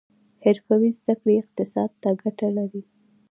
حرفوي زده کړې اقتصاد ته ګټه لري